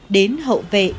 đến hậu vệ